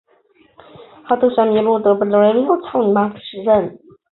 哈特山麓圣彼得是奥地利上奥地利州因河畔布劳瑙县的一个市镇。